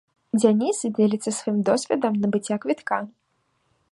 Дзяніс дзеліцца сваім досведам набыцця квітка.